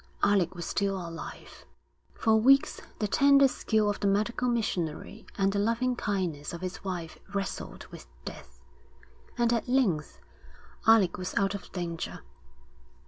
Alec was still alive. For weeks the tender skill of the medical missionary and the loving kindness of his wife wrestled with death, and at length Alec was out of danger.